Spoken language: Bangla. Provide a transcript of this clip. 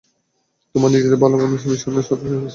তোমাকে নিজের ভালোমানুষি মিশনের সাথে হড়িয়েছে।